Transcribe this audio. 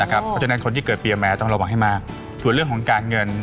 เพราะฉะนั้นคนที่เกิดปีแม้ต้องระวังให้มากส่วนเรื่องของการเงิน